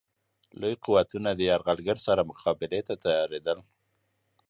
لوی قوتونه له یرغلګر سره مقابلې ته تیارېدل.